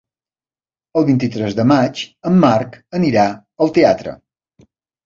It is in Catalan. El vint-i-tres de maig en Marc anirà al teatre.